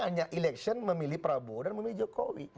hanya election memilih prabowo dan memilih jokowi